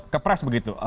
ke pres begitu